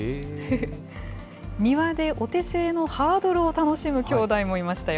庭でお手製のハードルを楽しむ兄弟もいましたよ。